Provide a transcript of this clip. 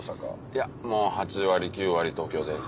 いやもう８割９割東京です。